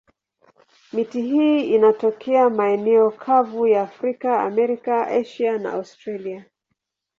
Miti hii inatokea maeneo kavu ya Afrika, Amerika, Asia na Australia.